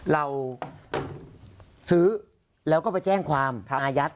เราซื้อแล้วก็ไปแจ้งความอายัด